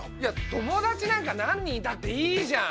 友達なんか何人いたっていいじゃん。